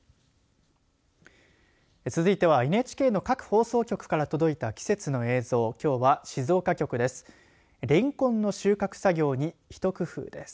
続いては、ＮＨＫの各放送局から届いた季節の映像きょうは静岡局です。